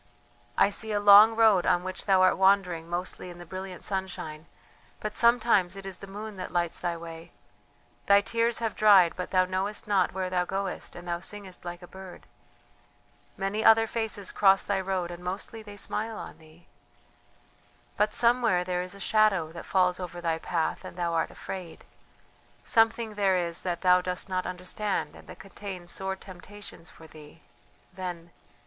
I see a long road on which thou art wandering mostly in the brilliant sunshine, but sometimes it is the moon that lights thy way. Thy tears have dried, but thou knowest not where thou goest and thou singest like a bird. Many other faces cross thy road and mostly they smile on thee.... "But somewhere there is a shadow that falls over thy path and thou art afraid something there is that thou dost not understand and that contains sore temptations for thee ... then....